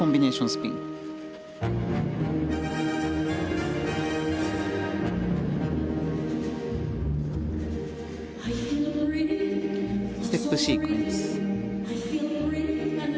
ステップシークエンス。